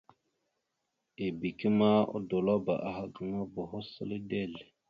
Ebeke ma odolabáaha gaŋa boho səla dezl.